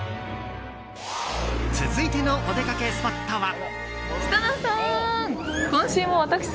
続いてのお出かけスポットは。